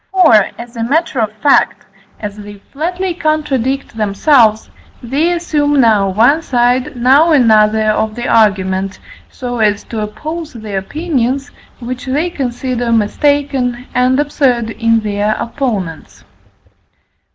For, as a matter of fact, as they flatly contradict themselves, they assume now one side, now another, of the argument, so as to oppose the opinions, which they consider mistaken and absurd in their opponents.